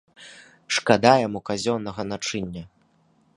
Шкода яму казённага начыння.